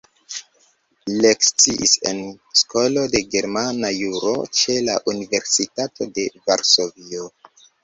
Lekciis en Skolo de Germana Juro ĉe la Universitato de Varsovio.